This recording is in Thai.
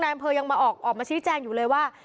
นายอำเภอยังออกมาชิดแจ้งอยู่เลยว่า